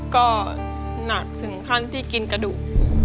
ก็หนักถึงขั้นที่กินกระดูก